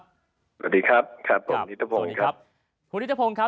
สวัสดีครับคุณณิฏฐพงศ์ครับ